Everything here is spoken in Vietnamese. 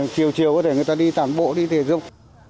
chiều chiều có thể người ta đi toàn bộ đi thể dục